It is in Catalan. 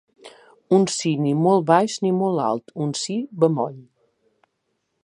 Un sí ni molt baix ni molt alt, un sí bemoll